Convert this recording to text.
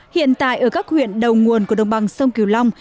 hiện tại ở các huyện đầu nguồn của đồng bằng sông kiều long